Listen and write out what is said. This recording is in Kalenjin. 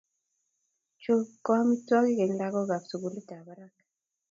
Chu ko amitwogik eng lakokap sugulitap barak